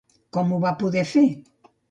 Com ho va poder fer?